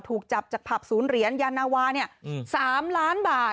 ถูกจับจากผับศูนย์เหรียญยานาวา๓ล้านบาท